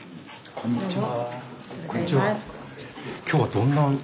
こんにちは。